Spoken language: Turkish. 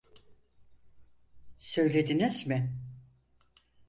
Söylediniz mi?